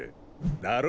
だろ？